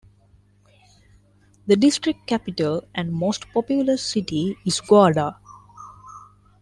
The district capital and most populous city is Guarda.